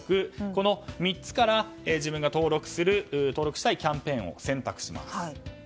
この３つから自分が登録したいキャンペーンを選択します。